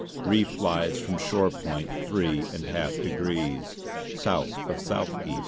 Reef lies from shore point three and half degrees South of South East."